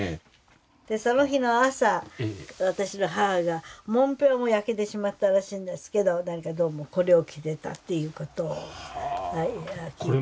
その日の朝私の母がもんぺはもう焼けてしまったらしいんですけどどうもこれを着てたっていう事を聞いてます。